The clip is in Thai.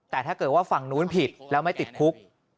แต่ถ้าเกิดว่าฝั่งนู้นผิดแล้วไม่ติดคุก